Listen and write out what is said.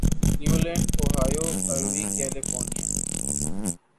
Cleveland Ohio Aruvi California